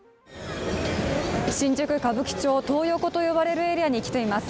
新宿・歌舞伎町、トー横と呼ばれるエリアに来ています。